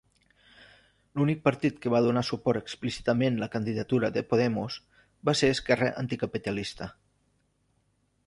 L'únic partit que va donar suport explícitament la candidatura de Podemos va ser Esquerra Anticapitalista.